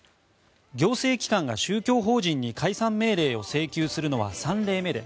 行政機関が宗教法人に解散命令を請求するのは３例目で